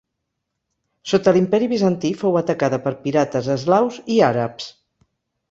Sota l'imperi bizantí fou atacada per pirates eslaus i àrabs.